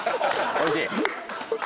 おいしい！